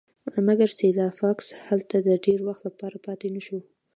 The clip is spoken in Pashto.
مګر سلای فاکس هلته د ډیر وخت لپاره پاتې نشو